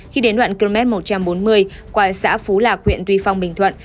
khi đến đoạn km một trăm bốn mươi qua xã phú lạc huyện tuy phong bình thuận